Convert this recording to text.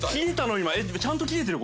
今えっちゃんと切れてる？